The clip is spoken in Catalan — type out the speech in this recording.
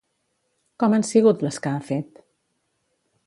Com han sigut, les que ha fet?